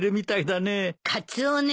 カツオね。